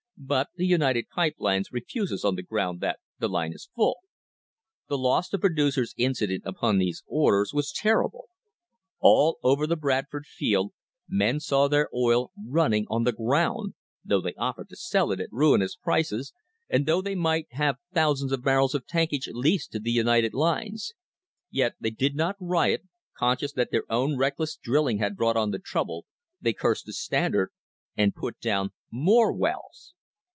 But the United Pipe Lines refuses on the ground that the line is full. The loss to producers incident upon these orders was terrible. All over the Bradford field men saw their oil running on the ground, though they offered to sell it at ruinous prices, and though they might have thousands of barrels of tankage leased to the United Lines. Yet they did not riot; conscious that their own reckless drilling had brought on the trouble, they cursed the Standard, and put down more wells!